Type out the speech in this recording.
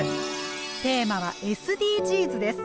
テーマは「ＳＤＧｓ」です。